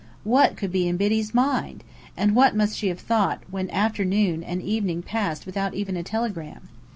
What could be in Biddy's mind? And what must she have thought when afternoon and evening passed without even a telegram?